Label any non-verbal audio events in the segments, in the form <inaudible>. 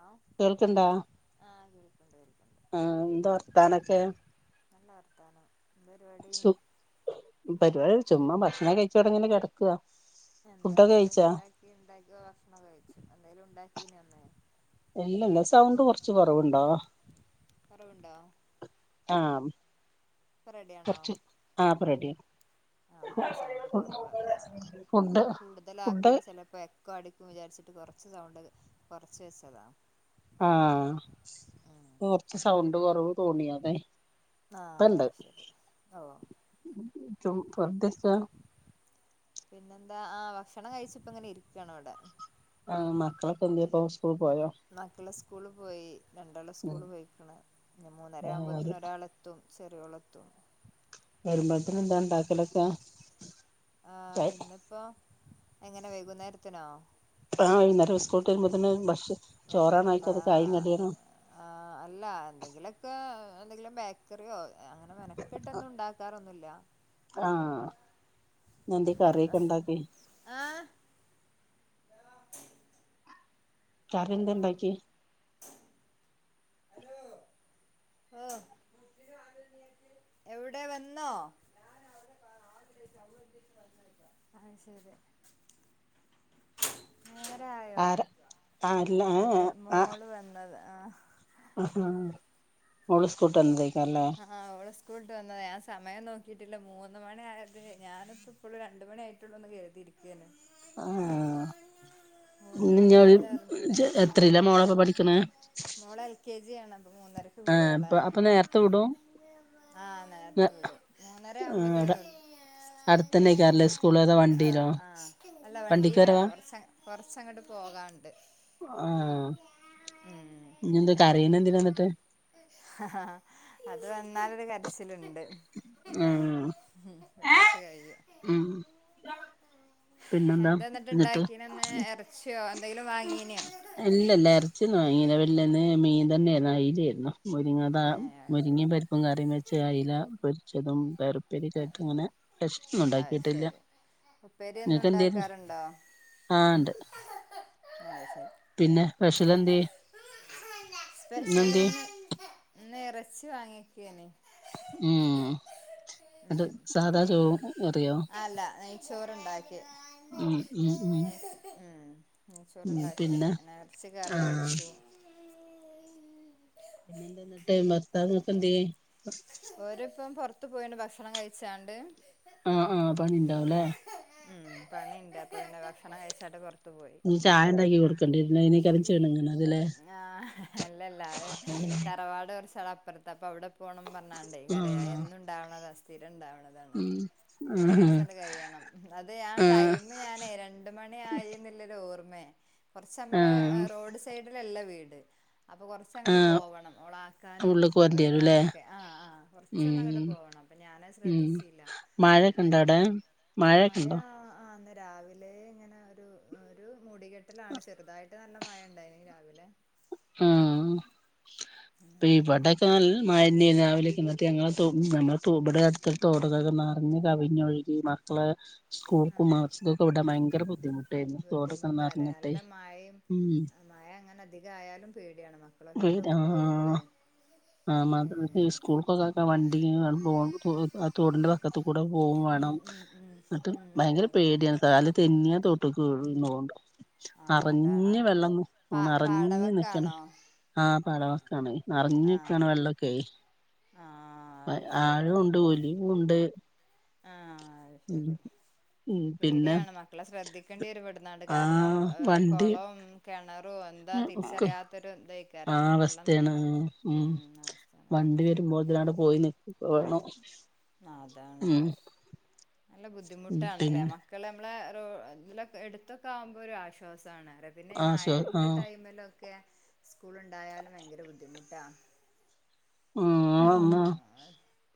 ആ കേൾക്കണ്ടാ ആഹ് കേൾക്കണ്ട് കേൾക്കണ്ട് ആഹ എന്താ വർത്താനൊക്കെ നല്ല വർത്താന സു പരിപാടിചുമ്മാഭക്ഷണംകഴിച്ചു ഇവിടങ്ങെനെ കെടക്കുക ഇന്ന് എന്താന്ന് സ്പെഷ്യല ആാക്കി ഇണ്ടാക്കിഭക്ഷണം കഴിച്ചു എന്തായാലുംഉണ്ടാക്കീല്ലേഇന്ന് ഇല്ലല്ല സൗണ്ട് കുറച്ച് കൊറവുണ്ടോ കൊറവുണ്ടോ ആഹ ഇപ്പ റെഡിയാണോ കുറച്ച് ആപ്പൊ റെഡിയ ആ <unintelligible> കൂടുതല ഫുഡ് ആക്കുമ്പോ ചിലപ്പോ എക്കോ അടിക്കും വിചാരിച്ചിട്ട് കൊറച്ച് സൗണ്ട് കുറച്ച് വെച്ചതാ ആഹ സ് ഉം കൊറച്ച് സൗണ്ട്കൊറവ് തോണിഅതെ ആ ഇപ്പണ്ട് അത് ശരി ഓ ച്ചും പ്രധിച്ച പിന്നെന്താ ആഹ ഭക്ഷണംകഴിച്ചപ്പ എങ്ങനെ ഇരിക്കുവണ് ഇവിടെ ആഹ മക്കളൊക്കെഎന്തെഇപ്പൊ സ്കൂളിപോയോ സ്കൂള്പോയി രണ്ടാളുംസ്കൂൾ പോയിക്കണ് പിന്നെ മൂന്നര ആഹ് ആുമ്പോഴത്തനും ഒരാളെത്തും ചെറിയകൊളത്തും വരുമ്പോഴത്തന എന്താ ഉണ്ടാക്കലൊക്കെ ആ ഇന്നിപ്പോഎങ്ങനെ വൈകുന്നേരത്തിനോ ആഹ വൈുന്നേംസ്കൂട്ട് വരുമ്പോത്തിന് ഭക്ഷെ ചോറാണയികൊടുക്കാ <unintelligible> ആ അല്ല എന്തെങ്കിലൊക്കെ എന്തെങ്കിലും ബേക്കറിയോ ഏഹ് അങ്ങനെ മെനക്കെട്ടൊന്നുംണ്ടാക്കാറൊന്നുല്ല. ആ ഇന്ന്ന്തേ കറിക്കെ ആഹ് ഇണ്ടാക്കി? ആഹ് കറ്യന്തേ ഇണ്ടാക്കി? <unintelligible> എവടെ വന്നോ <unintelligible> <unintelligible> ആ ശരി നേരായോ ആര ആരെല്ലാ അതെ <unintelligible> ആ മോള് വന്നത് ആഹ് ആഹ ഓള് ഉസ്കോട്ട് വന്നതേ ആ ആ ഓള് സ് ‌ സ്കൂളിട്ട വന്നതേ. ഞാൻ സമയം നോക്കിട്ടില്ല. മൂന്ന് മണിയായതേ ഞാനിപ്പപ്പളും രണ്ട് മണിയായിട്ടുള്ളൂന്ന് കരുതി. ഇയ്ക്ക്ന്നേ ആ മൂന്ന് മണി ആയത് <unintelligible> അറിഞ്ഞില്ല ഇജ്ജ് എത്രയില മോളെപ്പോ പഠിക്ക്ണേ? മോള് എൽ കെ ജി ആണ് അപ്പൊ മൂന്നരക്ക് ആ വിടും അപ്പ അപ്പ നേരത്തെ വിടും ആ നേരത്തെ വിടും. മൂന്നരാവുമ്പത്തേം അവിടെ വിടും അടുത്തന്നെക്കാരല്ലേ സ്കൂള് അതോ ആ വണ്ടിയിലോ ആ അല്ല വണ്ടിക്ക് വണ്ടിലാണ് വരവാ കൊറച്ച കൊറച്ചങ്ങട്ട് പോ പോകാണ്ട് ആ ഇഞ്ഞന്താ കരയണെന്തിനാന്നിട്ട്? അത് വന്നാലൊരു കരച്ചല്ണ്ട്. ആഹ് ഹും എറച്ചി ആയിയോ? ഉം പിന്നെന്താ എന്താന്നിട്ട് ഇണ്ടാക്കീന്ന്ന് എറച്ച്യൊ? അല്ലല്ല എറച്ചിന്ന് വാങ്ങീല. വല്ലന്ന് മീൻ തന്നേരുന്നു. അയിലേരുന്നു. മുരിങ്ങതാ. ഏ അത് ശരി മുരിങ്ങേപരിപ്പും കറീംവെച്ച് അയ്ല പൊരിച്ചതും <unintelligible> ആ ലുതായിട്ട്ങ്ങനെ പെഷ്ലൊന്നും അത് ഉണ്ടാക്കിയിട്ടില്ല ശരി ഉപ്പേരി നിങ്ങക്ക് എന്തേരുന്നു എന്നുണ്ടാക്കാറുണ്ടോ? ആ ഉണ്ട് അയ്ശ പിന്നെ പേഷൽ എന്തേ? ഇന്നെന്തേ? ച്ചി വാങ്ങ്യേക്കാണെ ഉം ത് സാദാ ചോ അല്ല നെയ്ച്ചോറ്ണ്ടായ് ഉം ഉം ഉം ഉം നെയ്ചോറ്ണ്ടാക്കി പിന്നെ ങ്ങനെ ഇറച്ചി ആ കറിം വെച്ചു. പിന്നേ എന്തേന്നിട്ട് ഭർത്താവോക്കും എന്ത്യേ? ഓരപ്പം പൊർത്ത് പോയിണ്ട് ഭക്ഷണം കഴിച്ചാണ്ട് ആഹ്, ആഹ്, പണിണ്ടാവുലേ? ഉം പണിണ്ട്. അപ്പ പിന്നേ ഭക്ഷണം കഴിച്ചാലെ പർ ഇഞ്ഞ് ചായ ഇണ്ടാക്കി കൊടുക്കണ്ടെരുല്ലേ? <unintelligible> ചിണുങ്ങണത് ല്ലേ? ആ അല്ലല്ല അഹ്‌ തറവാട് കൊറച്ച് <unintelligible> അപ്പറത്താ അപ്പ അവിടെ പോണം പറഞ്ഞണ്ടെ കരയാ ആ എന്നുണ്ടാവണതാ. സ്ഥിരണ്ടാവണതാണ്. ഉം ആഹ് കൊറച്ചണ്ട്കഴിയണം. അത് ഞാൻ ആഹ് ടൈമ് ഞാനേ രണ്ട്മണി ആയിന്നില്ലരു ഓർ മ്മേ കൊറച്ചമ്മളെ ആഹ് ഏ റോഡ് സൈഡിലല്ല വീട് അപ്പ കൊറച്ചങ്ങട് ആഹ് പോവണം. ഓള ആക്കാനും ഉള്ള്ക്ക് പോരണ്ടി വരുംല്ലേ എടുക്കാനും ഒക്കെ കുറച്ചൊന്നങ്ങട് ഉം പോണം. അപ്പ ഞാനത് ഉം ശ്രദ്ധിച്ചീല. എന്നട്ടായി <inaudible> മയൊക്കെണ്ടോ? ആ ന്ന് രാവിലെ ഇങ്ങനെ ഒരു ഒരു മൂടികെട്ടലാണ് ചെറുതായി ന്ന് നല്ല മയണ്ടായിന്ന് രാവിലെ ആ ഇപ്പഈ അങ്ങനെ പടെൊക്കെ ന പിന്നെ മാലന്യ രാവിലെയൊക്കെ ഞ നമ്മൾ ഇവിടെ അടുത്ത തോടത്തൊക്കെ നിറഞ്ഞ് കവിഞ്ഞൊഴുകി മക്കളെ ആ സ്കൂൾക്കും മാസൊക്കെ ഇവിടാ ഭയങ്കര ബുദ്ധിമുട്ടായിരുന്ന റോഡിങ്ങനെ ബുദ്ധിമുട്ടാല്ലേ നറഞ്ഞിട്ടേ നല്ല മഴയും മഴ അങ്ങനെ അധിക ആയാലും പീടിയാണ് മക്കള ഒറ്റക്കൊക്കെ പോകുമ്പോളേ ആഹ ഉം മാത്ര സ്കൂൾക്കൊക്കെക്കെ വണ്ടി <unintelligible> തോടിന്റെ വക്കത്ത കൂടെ പോകും വേണം ഉം ഉം ഉം എന്നിട്ട് ഉം ഭയങ്കര അതന്നെ പേടിയാണ് കാല് തെന്നിയാ തൊട്ട്ക്ക് വീകും ആ അതാണ് അറിഞ്ഞഞ് വെള്ളന്ന് പ ന്ന അറിഞ്ഞ നക്കണം പാടവക്കാണോ ആ പല <unintelligible> നിറഞ്ഞു ആ ആ അത് ശരി ആഴവുണ്ട് ഒലിവുണ്ട് ആ അത് ഉം ശരി ഉം പിന്നെ പേടിയാണ് മക്കളെ ശ്രദ്ധിക്കേണ്ടി വരു പെടുന്നാണ്ട് ആ കാരണം വണ്ടി കുളം എന്താ ഒക്കെ തിരിച്ചറിയാത്തൊരു ആ എന്തയ്കാരം വെള്ളം അവസ്ഥയാണ് ഉ അവെ മോതിലാണ് പോയി നിക്ക വേണം ആ അതാണ് ഉം നല്ല ബുദ്ധിമുട്ടണല്ലേ പിന്നെ മക്കളെ നമ്മള ഇ എടുത്തൊക്കെ ആകുമ്പോൾ ഒരു ആശ്വാസമാണ് പിന്നെ ഈ ആ ആ മഴന്റെ ടൈമിലൊക്കെ സ്കൂൾ ഉണ്ടായാലും ഭയങ്കര ബുദ്ധിമുട്ടാ ആ <unintelligible>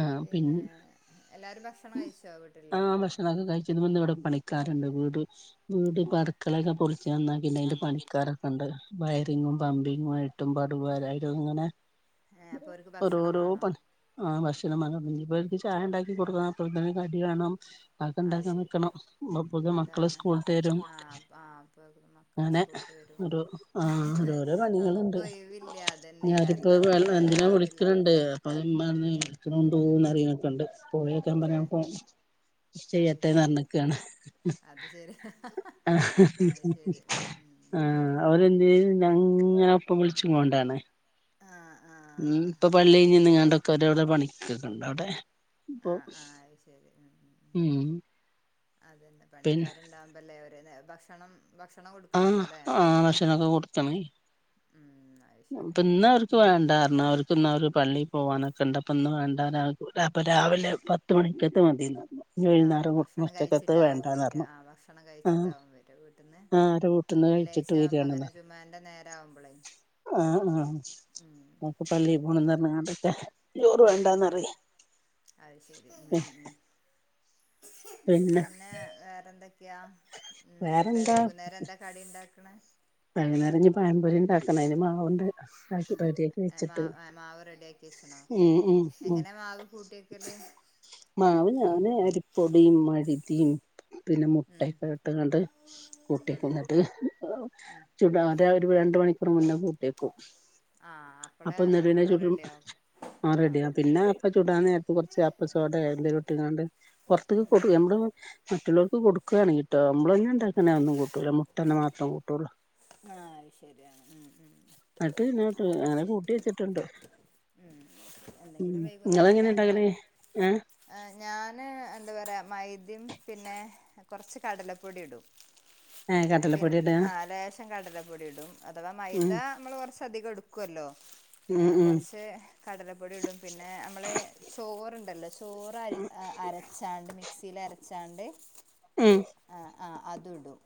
ആ പി പിന്നെ എല്ലാരും ഭക്ഷണം കഴിച്ചോ ആ വീട്ടിലുള്ളവരൊക്കെ ഭക്ഷണം ഒക്കെ കഴിച്ചുന്നു ഇവിടെ പണിക്കാർ ണ്ട് വീട് വീട് പടുക്കലൊക്കെ പൊളിച്ചച്ച് നന്നാക്കിണ്ട് അതിന്റെ പണിക്കാരൊക്കെ ഉണ്ട് വയറിങ്ങും പമ്പിങ്ങു ആയിട്ടും പടുവായിും ഇങ്ങനെ ഏ അപ്പൊ ഒരുക്ക് ഭക്ഷണം വേണോ ആ ഭക്ഷണം ഇബാൾക്കു ചായ ഉണ്ടാക്കി കൊടുക്ക അപ്പത്തക്ക് കടി വേണം അതൊക്കെ അത് ഇണ്ടാക്കാൻ- ശരി നിക്കണംപ്പക്കെ മക്കള് അതാണ് സ്കുൾവിട്ട്- വരും ആ ആ അപ്പൊ മക്കള് അങ്ങനെ! സ്കൂളിട്ട് വരും ഓ.. ആഹ ഓരോരോ നമുക്ക് പണികൾുണ്ട്, ഒഴിവില്ല അതന്നെ ഞാനപ്പോ കാരണം എന്തിനാ വിളിക്കണ്- <unintelligible> രാവിലെ ആ അത് ചെയ്യാത്ത ശരി നിഞ്ഞക്കക്കാണ് അത് ശരിയാ ആ.. അത് ശരി ഉം ഉം ! ആ അവരരെന്തേയ്, ഞങ്ങനെ ഒപ്പം വിളിച്ചണ്ടാണ്. ആഹ് ഉം.. ആഹ് ഇപ്പൊ പള്ളി നിങ്ങാണ്ടോക്കെ- ഒരോടെ പണിക്കൊക്കണ്ട അവിടെ? ആഹ് ആഹ് അത് ശരി ഉം ഉം.. ! അതന്നെ, പണിക്കാരുണ്ടാവുമ്പല്ലേ ഭക്ഷണം. ഭക്ഷണം ആഹ കൊടുക്കണല്ലോല്ലേ ആ ഭക്ഷനൊക്കെ കൊടുത്താ മതി. ഉം അത് ശരി ഇന്നവർക്ക് വേണ്ടാ പറഞ്ഞി, അവർക്ക് ഇന്ന ഒരു പള്ളി- പോവാനൊക്കെ ഇണ്ടപ്പ ഇന്ന വേണ്ടാന.. അപ്പോ രാവിലെ പത്ത് മണിക്കത്ത് മതി. ആഹ... ഭക്ഷണം കഴിച്ചിട്ടാവും വര, പറഞ്ഞു ആഹ ഭക്ഷണം ആഹ് കഴിച്ചിട്ടാവും വര. വീട്ടിന്ന്! ആഹ് അവരെ വീട്ടിന്ന് വെള്ളിയാഴ്ച കഴിച്ചിട്ട് ആവുമ്പോ, വരാണ്ന്ന് അങ്ങനെ ജുമാന്റെ നേര ആവുമ്പോളെ. ആഹ.. ആഹ.. നക്ക അത് പള്ളി ശരി പോണംന്നറിഞ്ഞിങ്ങണ്ടല്ലേ. ചോറ് ഉം ഉം ഉം വേണ്ടന്നറിയ്. അത് ശരി ഉം ഉം ഉം <inaudible> പിന്നെ വേറെന്തോക്കെയാ? ഇപ്പൊ- വേറെന്താ വൈകുന്നേരം എന്താ കടി ഉണ്ടാക്കണ്? വൈകുന്നേരം പായംപൊരി ഉണ്ടാക്കണം, അതിന്റെ മാവുണ്ട്. റെഡിയാക്കി മാ.. വെച്ചിട്ട് മാവ് റെഡിയ ആക്കി വച്ചണോ, ഉം ഉം ഉം എങ്ങനെ മാവ് കൂട്ടിയക്കല്? മാവ് ഞാന് അരിപൊടിം മയിതയും- പിന്നെ ഉം മുട്ടയക്കെ ഇട്ടങ്ങാണ്ട്- ഉം കൂട്ടയ്ക്കും എന്നിട്ട്, ഉം ചുടാതെ ഒരു രണ്ട് മണിക്കൂർ മുന്നേ കൂട്ടിയേക്കും. ആഹ്.. അപ്പളെ അപ്പൊ നെടുവിനെ നല്ലോണം ചുടും റെഡി ആകും. ആ.. റെഡിയ ആഹ് പിന്നെ അപ്പ ചൂടാൻ നേരത്ത് കുറച്ച് അപ്പസോടെ, എന്തേലും ഇട്ട്ങ്ങാണ്ട് പുറത്ത <unintelligible> <unintelligible> മറ്റുള്ളവർക്ക് കൊടുക്കുകയാണ് കിട്ടോ, നമ്മള തന്നെ എണ്ടാക്കുന്ന ഒന്നും കൂട്ടൂല മുട്ട തന്നെ മാത്രം കൂട്ടുള്ളൂ. ആ.. ശരിയാണ് ഉം.. ഉം... ! എന്നിട്ട് പിന്നോട്ട് അങ്ങനെ കൂട്ടി വെച്ചിട്ടുണ്ട് ഉം നിങ്ങള്ങ്ങനെ ഉണ്ടാക്കനെ? ഏ... ! ന് എന്താ പറയാ മൈദിം പിന്നെ- കൊറച്ച് കടലപ്പൊടി ഇടും. ഏ് കടല പിന്നെ പൊടിടാ. ആ ലേശം കടലപ്പൊടി ഇടും, അഥവാ മൈദ മ്മള് കുറച്ചധികം ഇടുക്കുവല്ലോ? ഉം എ് ഉം കുറച്ച് കടലപ്പൊടി ഇടും പിന്നെ- മ്മളേ ചോറുണ്ടല്ലോ? ചോറ് അരി അരച്ചാണ്ട് മിക്സിയിൽ അരച്ചാണ്ട്- ഉം.. ! ആ ആ.. അത് ഇടും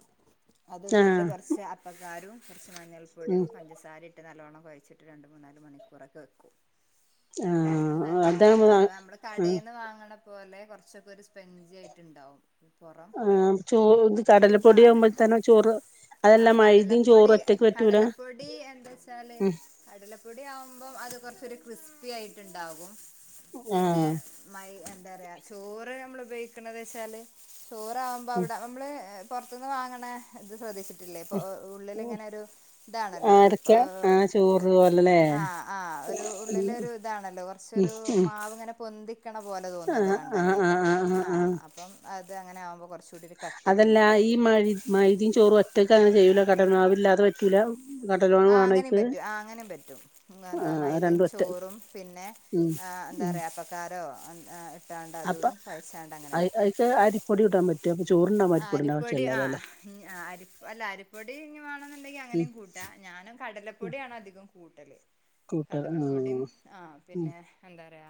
അത് ഇട്ടിട്ട് ആഹ് കൊറച്ച് അപ്പക്കാരും കൊറച്ച്. ഉം മഞ്ഞൾപ്പൊടിം, പഞ്ചസാര ഇട്ട് നല്ലോണം കുഴച്ചിട്ട് രണ്ട്, മൂന്നാല്- മണിക്കൂറൊക്കെ വെക്കും. അത് ആഹ് നല്ലോണം, അതാവുമ്പോ അധവാ മ്മള്- ആഹ് കടേന്ന് വാങ്ങണ- തു പോലെ കൊറച്ചൊക്കെ ഒരു, സ്പെഞ്ചി ആയിട്ട് ഇണ്ടാവും. ആ.. ചോത് ആ കടലപ്പൊടി- ആകുമ്പോഴത്തനെ ചോറ് ആഹ് അതെല്ലാം. മൈദയും കടലപ്പൊടി.. ചോറും ഒറ്റക്ക് പറ്റൂല കടലപ്പൊടി എന്താച്ചല്, ഉം കടലപ്പൊടി ആവുമ്പം അത്- കുറച്ച് ഒരു ക്രിസ്പി- ആയിട്ടുണ്ടാകും, പിന്നെ ആഹ് മൈ- എന്താറയാ.. ചോറ് മ്മള് ഉപയോഗിക്കണത്ച്ചാല്, ചോറവുമ്പോ ഉം അവിടെ മ്മള്- പൊറത്തുന്ന് വാങ്ങണ ഇത് ശ്രദ്ധിച്ചിട്ടി- ല്ലേ ഉള്ളില് ഇങ്ങനെ ഒരു.. ഇതാണല്ലോ അടക്ക പ്പോ ആ ചോറ് പോലല്ലേ ആഹ്... ആഹ്.. ! ഒരു ഉള്ളില് ഒരു ഇതാണല്ലോ, ഉം കുറച്ചൊരു ഉം മാവ് ഇങ്ങനെ പൊന്തി- ക്കണപോലെ തോന്നുല്ലോ കണ്ടാല്, ആഹ് അപ്പം അതങ്ങനെനാവുമ്പോ. അതല്ല ഈ മൈ മൈദിം, ചോറും ഒറ്റക്ക് അങ്ങനെ ചെയ്യൂല, കടല മാവില്ലാതെ പറ്റൂല? കടലമാവ് ആ.. വേണോ അങ്ങനേം അയ്ക്ക് പറ്റും അങ്ങനേം പറ്റും എന്താ.. ആഹ് മൈദിം, രണ്ടും ഒറ്റ ചോറും പിന്നെ ഉം ആഹ്.. ഉം ന്താറയാ അപ്പക്കാരോ ഉം! അപ്പൊ അയ് അയ്ക്ക് അരിപ്പൊടി ഇടാൻ പറ്റോ? അപ്പൊ ചോറുണ്ണാൻ ആഹ്.. അരിപ്പൊടിന്റെ അരിപ്പൊടി ആവശ്യല്ലല്ലോല്ലേ ആഹ്.. അരി അല്ല അരിപ്പൊടി ഞി- വേണെന്നുണ്ടെങ്കി ഉം അങ്ങനിം കൂട്ടാം. ഞാൻ- കടലപ്പൊടിയാണ് അധികോം കൂട്ടല് കൂട്ടർ കടലപ്പൊടീം ആഹ് ആഹ് ഉം പിന്നെ എന്താറയ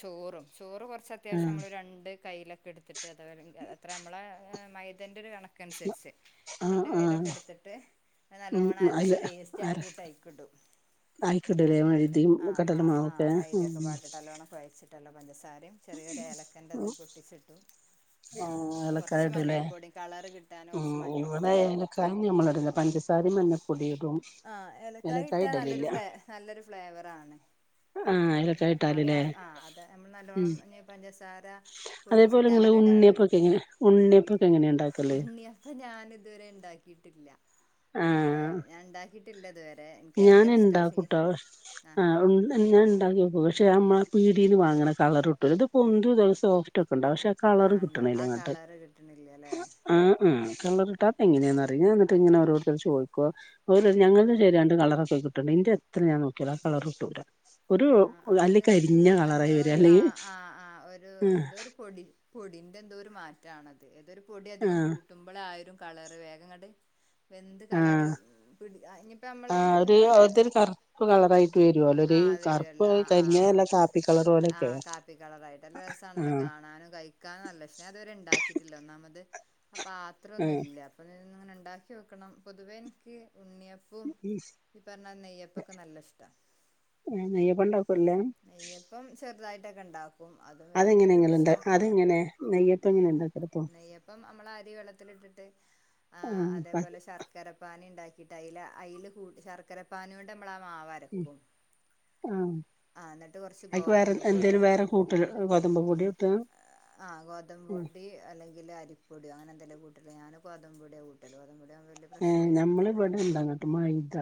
ചോറും ചോറ് കൊറച്ച് അത്യാവശ്യം ആഹ് മ്മള് രണ്ട് കയ്യിലൊക്കെ എടുത്തിട്ട് അതവര എത്ര എഹ് മൈദേൻ്റെ ഒരു കണക്കനുസരിച്ച് ആഹ് രണ്ട് കയ്യിലൊക്കെ ആഹ് ഇടുത്തിട്ട് നല്ലോണ്ണം ഉം അരച്ച് പേസ്റ്റ് ആക്കിട്ട് അയ്ക്കിടും അയിക്കിടുലേ മൈദീം ആഹ് കടലമാവൊക്കെ ആഹ് ഉം താരിം ചെറിയൊരു ഏലക്കൻ്റെത് പൊട്ടിച്ചിട്ടു ആഹ് കൊറച്ച് ഏലക്കായ മഞ്ഞൾ ഇടൂലേ പൊടീം കളറ് കിട്ട ഉം വടെ ഏലക്കായ ഞമ്മള് ഇടൂല പഞ്ചസാരയും മഞ്ഞപ്പൊടീം ആഹ് ഏലക്കായ ഇട്ടാ നല്ലൊരു ഫ്ലേ നല്ലൊരു ഫ്ലേവർ ആണ് ആഹ് ഏലക്കായ ആഹ് ഇട്ടാലില്ലേ പ്പഴം ആഹ് അതെ ഞമ്മള് ഉം നല്ലോണം ഞ്ഞി പഞ്ചസാര പൊടിച്ചിട്ട് അങ്ങനെ ഇടാണെങ്കിൽ ഉണ്ണിയപ്പൊക്കെങ്ങനെ ഉണ്ണിയപ്പൊക്കെ എങ്ങനെയാ ഇണ്ടാക്കല് ത് ഞാൻ ഇതുവരെ ഇണ്ടാക്കിയിട്ടില്ല ആഹ് ക്കീട്ടില്ല ഇത് വരെ ഞാൻ ഇണ്ടാക്കുട്ടോ ആഹ് ഞാൻ ഉ ഇണ്ടാക്കിക്കും പക്ഷെ അമ്മള് ആ പീടിയീന്ന് വാങ്ങണ കളറ് കിട്ടൂല ഇത്പ്പോന്തും ത് ഒ സോഫ്റ്റ് ക്കെണ്ടാവും പക്ഷെ ആ കളറ് ആഹ് ഉണ്ട് ആ കിട്ടണേല്ലങ്ങട്ട് കളറ് കിട്ടണില്ല അല്ലേ അഹ് ആ ആ കള്റിട്ടാത്ത ആഹ് അതെങ്ങനാന്നറില്ല ഞാൻ ന്നി ട്ട് ഇങ്ങനെ ഓരോര്ത്തര് ചോയ്ക്ക ഓല്റയും ആഹ് ഞങ്ങക്ക് ശരിയാവ കളറവർക്കൊക്കെ കിട്ടണ്ട് എന്റെ എത്ര ഞാൻ നോക്ക്യാലും ആ കളറ് കിട്ടൂല ഒരു ആഹ് അല്ലെ അത് എനിക്ക് കരിഞ്ഞ തോന്ന് എന്തോ കളറായി വരും ഒരു അല്ലെങ്കി ആഹ് ആഹ് ആഹ് ഒരു ആഹ് എന്തോ ഒരു പൊടി പൊടിൻ്റെ എന്തോ ഒരു മാറ്റണത് ഏതൊരു പൊടി അധികം ആഹ് കൂട്ടുമ്പോളായരും കളറ് വേഗങ്ങട് എന്ത് കളറ് ആഹ് പിടി ഞിപ്പ ഞമ്മള് ആഹ് ഒരു എന്താ പറയാ അതൊരു കറുപ്പ് കളറായിട്ട് വരുവല്ലോ ഒരു ആഹ് കറുപ്പ് കരിഞ്ഞതല്ല കാപ്പി കളർ ആ് പോലെയൊക്കെ കാപ്പി കളറ ആായിട്ട്ല്ല രസമാണല്ലോ ആഹ് കാണാനും കഴിക്കാനും നല്ലക്ഷനേ അത്വരെ ഉണ്ടാക്കിയിട്ടില്ല ഒന്നാമ. അപാത്രം അത്ര ആഹ് ഒന്നുംല്ല അപ്പൊങ്ങനെ ഉണ്ടാക്കി വെക്കണം പൊതുവേ എനിക്ക്... ഉണ്ണിയപ്പും ഈ പറഞ്ഞാൽ നെയ്യപ്പൊക്കെ നല്ല ഇഷ്ട. ണ്ടാക്കൂ എല്ലാം <unintelligible> അതെങ്ങനെ വലിയൊരു എങ്ങനെണ്ട് ഉഷാറില്ല അതെങ്ങനെ നെയ്യപ്പ എങ്ങനെ ഉണ്ടാ നെയ്യപ്പം നമ്മൾ അരി വെള്ളത്തിലിട്ടിട്ട് ആഹ് അതേപോലെ ശർക്കര പാന ഉണ്ടാക്കി... ലൈല അയിൽ ശർക്കരപ്പാനി കൊണ്ട് നമ്മളാ മാവരക്കും..... ആഹ് ആ എന്നിട്ട് കുറച്ച് അയിക്ക് വേറെ ഗോതമ്പ് പൊടി എന്തേലും വേറെ കൂട്ട കൊതമ്പ കൂടി ഇട്ട.. ആഹ് ഗോതമ്പൊടി അല്ലെങ്കിൽരിപ്പൊടി അങ്ങനെ എന്തെങ്കിലും കൂട്ട ഞാന് ഗോതമ്പൊടിയുടെ കൂട്ടൽ പറ നമ്മള ഇവിടെ എന്താങ്ങട്ട് മൈദ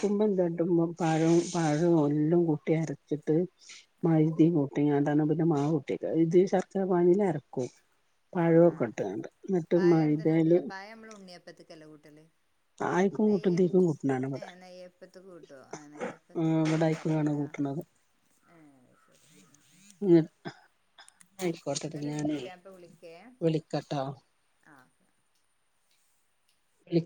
ആ എന്തട്ടുമ പഴം.... പഴം എല്ലാം കൂട്ടി അരച്ചിട്ട് ആ മയിതയും കൂട്ടി. ക പിന്നെ മാവ കുട്ടി ഇത് ശർക്കര പാനൽ അരക്കും..... ആ ആ പഴമൊക്കെ ഇട്ടണ്ട് ന്നിട്ട് മൈദയിൽ. തലകൂട്ടല. നെയ്യല് ഇതീക്കും കൂട്ടണാണ് ഇവിടെ ഏഹ് നെയ്യപ്പത്ത കൂട്ടോ ആ ആഹ് നെയ്യപ്പത്തക്ക ഇവിടെ എനക്ക് അറിവല്ല.... <unintelligible> <unintelligible> ആയിക്കോട്ടെട്ട ഒരു ഞാന മിനിറ്റ്ട്ടോ ഞാൻ ഇപ്പ വിളിക്കേ വിളിക്കാട്ടോ. ആ ഓക്കെ വിളി